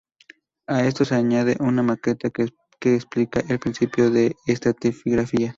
A esto se añade una maqueta que explica el principio de estratigrafía.